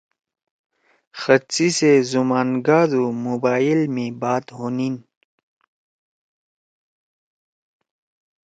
خط سی سے زُمان گادُو موبائل می بات ہونیِن